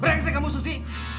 brengsek kamu susi